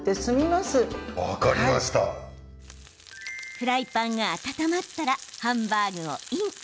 フライパンが温まったらハンバーグをイン。